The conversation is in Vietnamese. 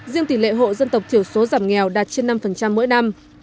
riêng tỷ lệ hộ dân tộc thiểu số giảm nghèo đạt trên năm mỗi năm